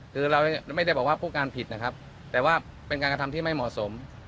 คือเราไม่ได้บอกว่าผู้การผิดนะครับแต่ว่าเป็นการกระทำที่ไม่เหมาะสม